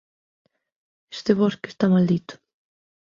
este bosque está maldito.